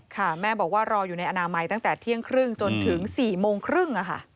แม่บอกว่ารออยู่ในอนามัยตั้งแต่เที่ยงครึ่งจนถึง๔โมงครึ่ง